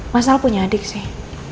mas al punya adik sih